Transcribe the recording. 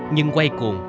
nhưng quay cuồng